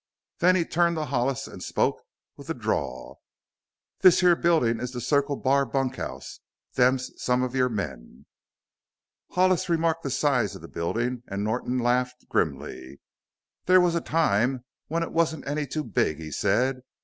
Then he turned to Hollis and spoke with a drawl: "This here building is the Circle Bar bunkhouse; them's some of your men." Hollis remarked the size of the building and Norton laughed grimly. "There was a time when it wasn't any too big," he said.